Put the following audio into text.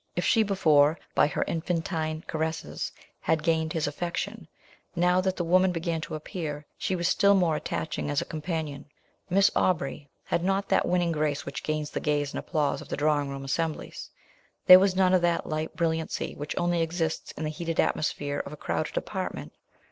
If she before, by her infantine caresses, had gained his affection, now that the woman began to appear, she was still more attaching as a companion. Miss Aubrey had not that winning grace which gains the gaze and applause of the drawing room assemblies. There was none of that light brilliancy which only exists in the heated atmosphere of a crowded apartment.